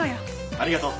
ありがとう。